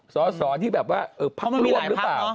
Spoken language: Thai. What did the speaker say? สอสอที่แบบว่าพักร่วมหรือเปล่า